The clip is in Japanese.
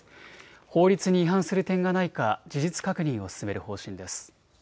法律に違反する点がないか事実確認を進める方針です。